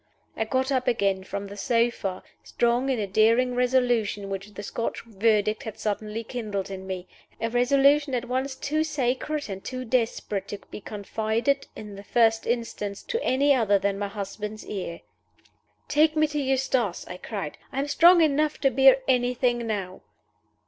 I got up again from the sofa, strong in a daring resolution which the Scotch Verdict had suddenly kindled in me a resolution at once too sacred and too desperate to be confided, in the first instance, to any other than my husband's ear. "Take me to Eustace!" I cried. "I am strong enough to bear anything now."